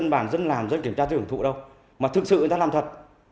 bản dân làm rất kiểm tra tự ủng thụ đâu mà thực sự người ta làm thật